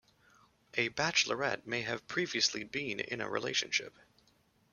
A bachelorette may have previously been in a relationship.